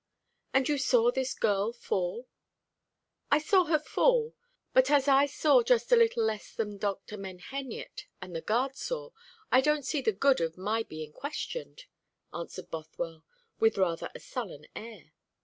"And you saw this girl fall?" "I saw her fall but as I saw just a little less than Dr. Menheniot and the guard saw, I don't see the good of my being questioned," answered Bothwell, with rather a sullen air.